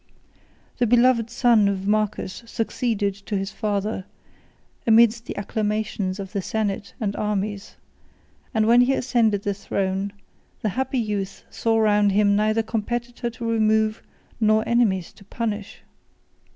The beloved son of Marcus succeeded to his father, amidst the acclamations of the senate and armies; 6 and when he ascended the throne, the happy youth saw round him neither competitor to remove, nor enemies to punish.